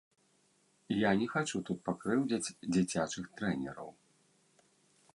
Я не хачу тут пакрыўдзіць дзіцячых трэнераў.